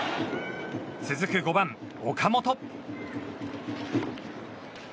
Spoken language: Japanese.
続く５番、岡本。